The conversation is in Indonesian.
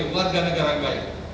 keluarga negara baik